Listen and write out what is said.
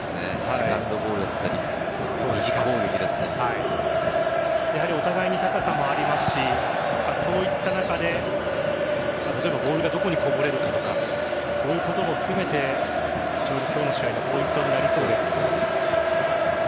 セカンドボールだったりお互いに高さもありますしそういった中で例えばボールがどこにこぼれるかとかそういうことも含めて今日の試合のポイントになりそうです。